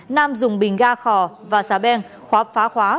nam dùng bình ga khò và xà beng khóa phá khóa